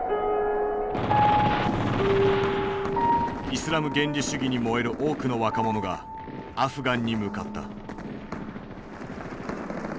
イスラム原理主義に燃える多くの若者がアフガンに向かった。